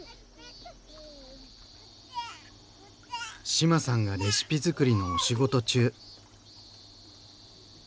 志麻さんがレシピづくりのお仕事中。